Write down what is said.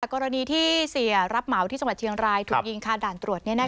กรณีที่เสียรับเหมาที่จังหวัดเชียงรายถูกยิงค่ะด่านตรวจ